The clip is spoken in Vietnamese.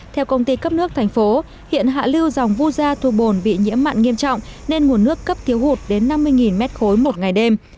theo công ty cấp nước thành phố hiện hạ lưu dòng vu gia thu bồn bị nhiễm mặn nghiêm trọng nên nguồn nước cấp thiếu hụt đến năm mươi m ba một ngày đêm